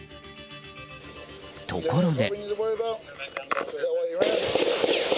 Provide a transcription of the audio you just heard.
ところで。